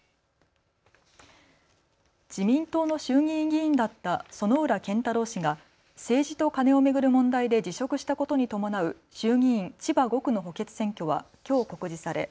自民党の衆議院議員だった薗浦健太郎氏が政治とカネを巡る問題で辞職したことに伴う衆議院千葉５区の補欠選挙はきょう告示され